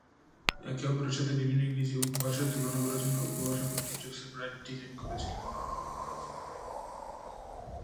একে অপরের সাথে বিভিন্ন ইংরেজি উপভাষার তুলনা করার জন্য উপভাষা পরীক্ষা জোসেফ রাইট ডিজাইন করেছিলেন।